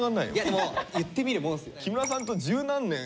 でも言ってみるもんっすよね。